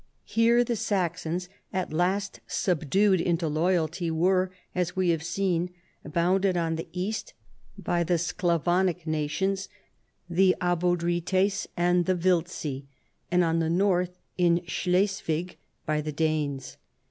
Here the Saxons, at last subdued into loyalty, were, as we have seen, bounded on the east by the Sclavonic nations, the Abodrites, and the Wiltzi, and on tlie north, in Sleswik, by the Danes.